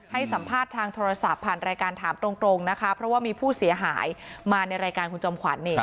ให้สัมภาษณ์ทางโทรศัพท์ผ่านรายการถามตรงนะคะเพราะว่ามีผู้เสียหายมาในรายการคุณจอมขวัญ